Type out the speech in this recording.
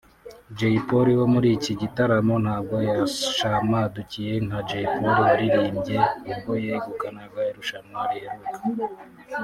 Jay Polly wo muri iki gitaramo ntabwo yarashamadukiwe nka Jay Polly waririmbye ubwo yegukanaga irushanwa riheruka